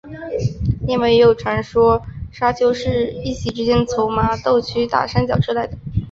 另外也有传说砂丘是一夕之间从麻豆区大山脚吹来的。